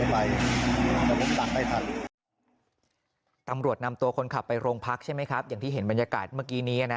พักใช่ไหมครับอย่างที่เห็นบรรยากาศเมื่อกี้นี้